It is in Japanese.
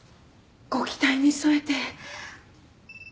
ご期待に沿えて。